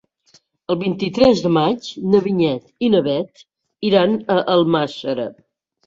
El vint-i-tres de maig na Vinyet i na Bet iran a Almàssera.